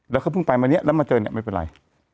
แล้วเขาเพิ่งไปมาเนี่ยแล้วมาเจอเนี่ยไม่เป็นไร